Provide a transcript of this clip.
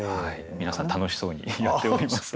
皆さん楽しそうにやっております。